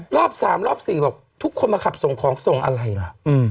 รอบ๓รอบ๔บอกทุกคนมาขับส่งของส่งอะไรล่ะ